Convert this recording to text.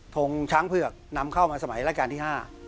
ทงช้างเผือกนำเข้ามาสมัยราชการที่๕